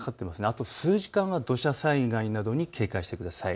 あと数時間は土砂災害などに警戒してください。